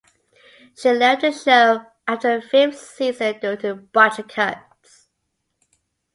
She left the show after the fifth season due to budget cuts.